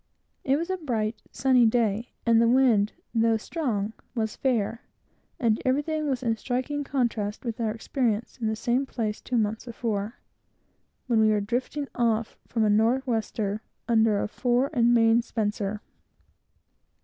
It was a bright, sunny day, and the wind, though strong, was fair; and everything was in striking contrast with our experience in the same place two months before, when we were drifting off from a northwester under a fore and main spencer.